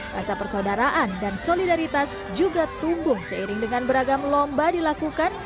rasa persaudaraan dan solidaritas juga tumbuh seiring dengan beragam lomba dilakukan